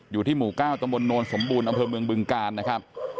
อยู่ที่หมู่๙ตำบลโนนสมบูรณ์อำเภอเมืองบึงกาลนะครับ